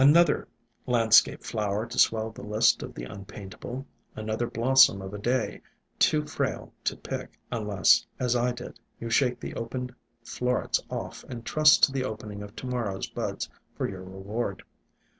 Another landscape flower to swell the list of the unpaintable; another blossom of a day, too frail to pick, unless, as I did, you shake the opened florets off and trust to the opening of to morrow's buds for your reward.